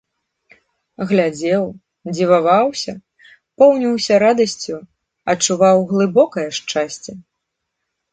Глядзеў, дзіваваўся, поўніўся радасцю, адчуваў глыбокае шчасце.